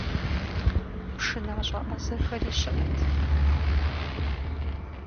ПшынащӀэ Ӏэзэхэри щыӀэт.